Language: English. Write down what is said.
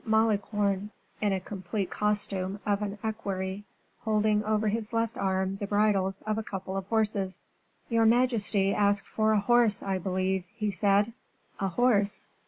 Malicorne, in a complete costume of an equerry, holding over his left arm the bridles of a couple of horses. "Your majesty asked for a horse, I believe," he said. "A horse?